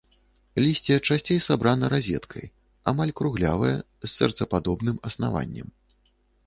Лісце часцей сабрана разеткай, амаль круглявае, з сэрцападобным аснаваннем.